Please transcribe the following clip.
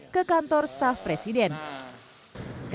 ke kantor staff bambang brojonegoro